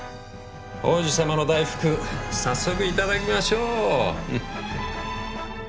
王子様の大福早速いただきましょう！